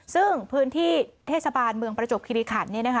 ซึ่งพื้นที่เทศบาลเมืองประจบคิริขัน